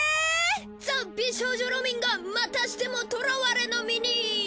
ザ・美少女ロミンがまたしても捕らわれの身に！